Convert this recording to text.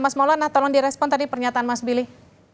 mas maulana tolong direspon tadi pernyataan mas billy